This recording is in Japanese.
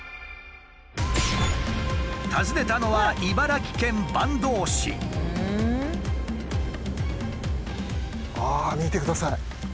訪ねたのはああ見てください。